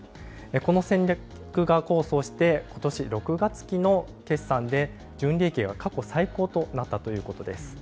この戦略が功を奏して、ことし６月期の決算で、純利益が過去最高となったということです。